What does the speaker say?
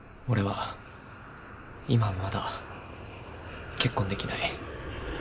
俺は今はまだ結婚できない。